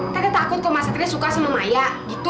teteh takut kalau mas satria suka sama maya gitu